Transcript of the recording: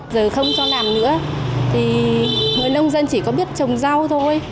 giờ không cho làm nữa thì người nông dân chỉ có biết trồng rau thôi